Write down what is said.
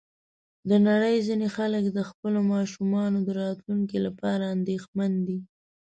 د نړۍ ځینې خلک د خپلو ماشومانو د راتلونکي لپاره اندېښمن دي.